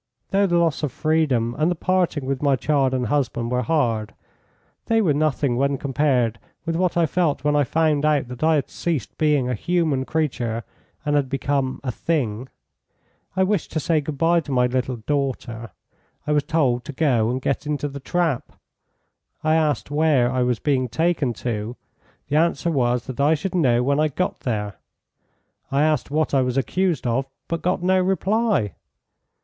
Though the loss of freedom and the parting with my child and husband were hard, they were nothing when compared with what I felt when I found out that I had ceased being a human creature and had become a thing. I wished to say good bye to my little daughter. I was told to go and get into the trap. I asked where I was being taken to. The answer was that I should know when I got there. I asked what I was accused of, but got no reply.